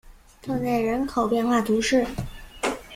通讷人口变化图示